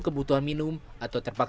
ya kotor banyak lumpur